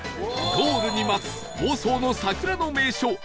ゴールに待つ房総の桜の名所